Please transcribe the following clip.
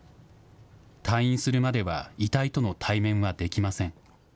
退院するまでは、遺体との対面はできません。